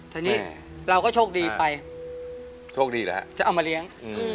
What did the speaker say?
แต่เราก็โชคดีไปเขาเอามาเลี้ยง